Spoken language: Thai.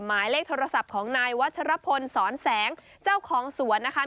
หมายเลขโทรศัพท์ของนายวัชรพลสอนแสงเจ้าของสวนนะคะ